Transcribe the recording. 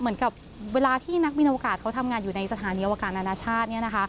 เหมือนเวลาที่นักบินอวกาศเขาทำงานอยู่ในสถานีอวกาศนานาชาติ